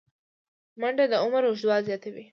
منډه د عمر اوږدوالی زیاتوي